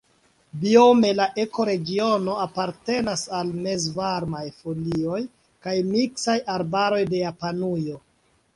Biome la ekoregiono apartenas al mezvarmaj foliaj kaj miksaj arbaroj de Japanujo.